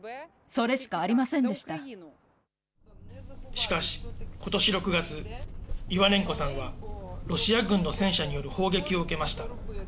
しかし、ことし６月、イワネンコさんはロシア軍の戦車による砲撃を受けました。